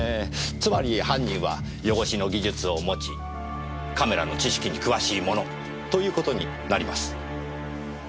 つまり犯人はヨゴシの技術を持ちカメラの知識に詳しい者ということになります。